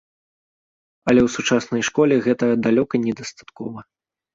Але ў сучаснай школе гэтага далёка недастаткова.